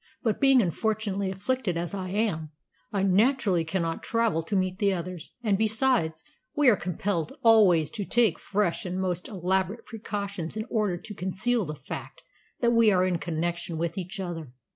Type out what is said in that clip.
But being unfortunately afflicted as I am, I naturally cannot travel to meet the others, and, besides, we are compelled always to take fresh and most elaborate precautions in order to conceal the fact that we are in connection with each other.